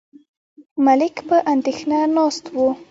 ملک په اندېښنه ناست و.